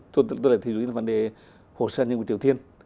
tôi lại thí dụ như vấn đề hồ sơn nhân quốc tiểu thiên